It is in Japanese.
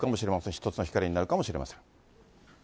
一つの光になるかもしれません。